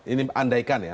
ini andaikan ya